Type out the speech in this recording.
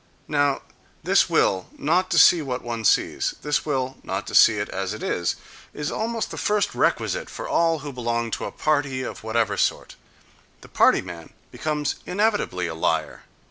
—Now, this will not to see what one sees, this will not to see it as it is, is almost the first requisite for all who belong to a party of whatever sort: the party man becomes inevitably a liar.